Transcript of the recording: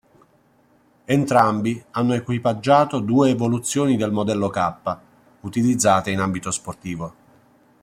Entrambi hanno equipaggiato due evoluzioni del modello "K" utilizzate in ambito sportivo.